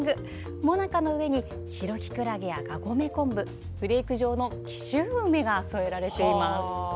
もなかの上に白きくらげや、がごめ昆布フレーク状の紀州梅が添えられています。